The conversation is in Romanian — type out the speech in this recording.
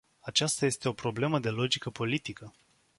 Aceasta este o problemă de logică politică.